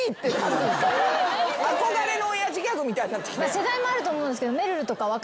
世代もあると思うんですけど。